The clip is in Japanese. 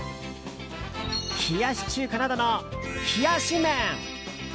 冷やし中華などの冷やし麺！